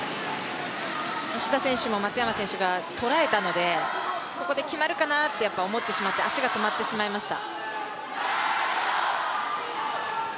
志田選手も松山選手が捉えたのでここで決まるかなと思ってしまって足が止まってしまいました。